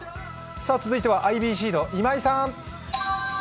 続いてはＩＢＣの今井さん！